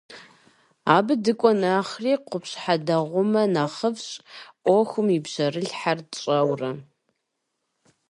Абы дыкӀуэ нэхърэ, къупщхьэ дегъумэ нэхъыфӀщ, Ӏэхъуэм и пщэрылъхэр тщӀэурэ.